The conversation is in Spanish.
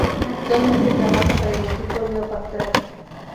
Actualmente trabaja para el equipo Leopard Trek.